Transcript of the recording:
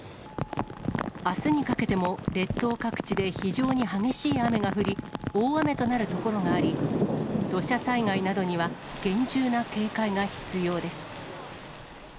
あすにかけても、列島各地で非常に激しい雨が降り、大雨となる所があり、土砂災害などには厳重な警戒が必要です。